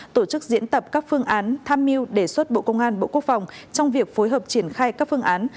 tổ chức diễn tập các phương án tham mưu đề xuất bộ công an bộ quốc phòng trong việc phối hợp triển khai các phương án